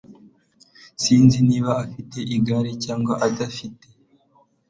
Sinzi niba afite igare cyangwa adafite.